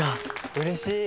うれしい！